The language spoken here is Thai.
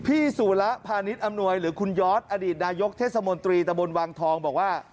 พี่สุระพาณิชย์อำนวยหรือคุณยอดอดีตนายกเทศมนตรีตะบนวังทองบอกว่า